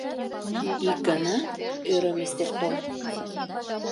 Ик ганат? — ӧрӧ мистер Том.